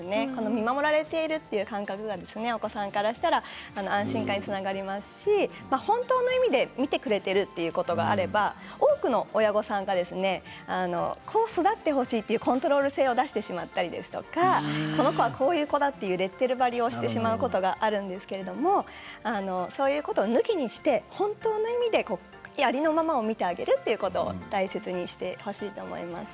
見守られているという感覚がお子さんからしたら安心感につながりますし本当の意味で見てくれているということがあれば多くの親御さんがこう育ってほしいというコントロール性を出してしまったりとかこの子はこういう子だというレッテル貼りをしてしまうことがあるんですけどそういうことを抜きにして本当の意味でありのままを見てあげるということを大切にしてほしいと思います。